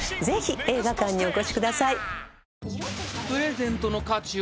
ぜひ映画館にお越しください。